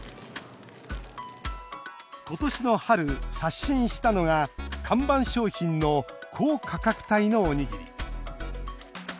今年の春、刷新したのが看板商品の高価格帯のおにぎり。